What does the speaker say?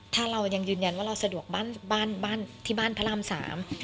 ถ้าเรายังยืนยันว่าเราสะดวกบ้านบ้านที่บ้านพระรามสาม